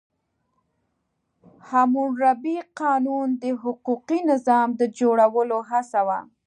حموربي قانون د حقوقي نظام د جوړولو هڅه وه.